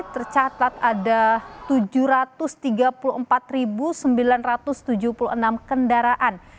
tercatat ada tujuh ratus tiga puluh empat sembilan ratus tujuh puluh enam kendaraan